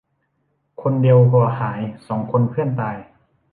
คนเดียวหัวหาย สองคนเพื่อนตาย